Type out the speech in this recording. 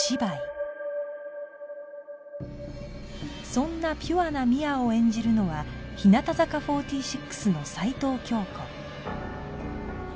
そんなピュアな深愛を演じるのは日向坂４６の齊藤京子